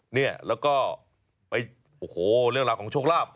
เนี่ยแล้วก็ไปโอ้โหเรื่องราวของโชคลาภ